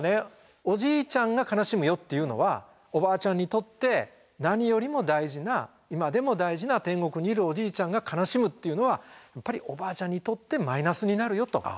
おじいちゃんが悲しむよっていうのはおばあちゃんにとって何よりも大事な今でも大事な天国にいるおじいちゃんが悲しむっていうのはやっぱりおばあちゃんにとってマイナスになるよと。